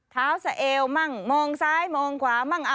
เท้าเสียเอวมั่งมองซ้ายมองขวามั่ง